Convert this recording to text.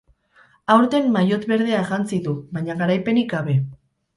Aurten maillot berdea jantzi du, baina garaipenik gabe.